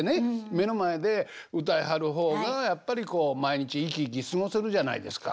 目の前で歌いはる方がやっぱりこう毎日生き生き過ごせるじゃないですか。